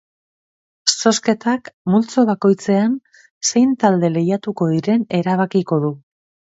Zozketak multzo bakoitzean zein talde lehiatuko diren erabakiko du.